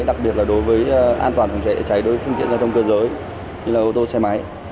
đặc biệt là đối với an toàn phòng cháy dễ cháy đối với phương tiện ra trong cơ giới như là ô tô xe máy